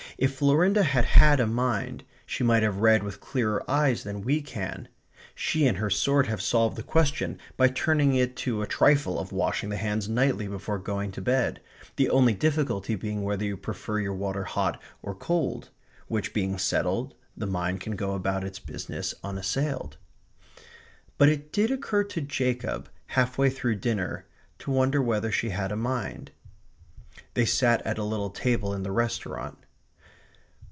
If Florinda had had a mind, she might have read with clearer eyes than we can. She and her sort have solved the question by turning it to a trifle of washing the hands nightly before going to bed, the only difficulty being whether you prefer your water hot or cold, which being settled, the mind can go about its business unassailed. But it did occur to Jacob, half way through dinner, to wonder whether she had a mind. They sat at a little table in the restaurant.